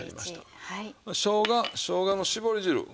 しょうがしょうがの搾り汁。